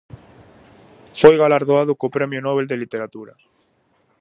Foi galardoado co Premio Nobel de Literatura.